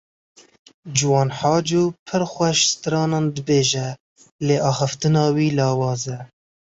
Ciwan Haco pir xweş stranan dibêje lê axaftina wî lawaz e.